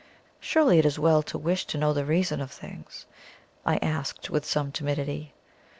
"Surely it is well to wish to know the reason of things?" I asked, with some timidity.